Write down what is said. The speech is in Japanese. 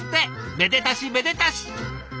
めでたしめでたし！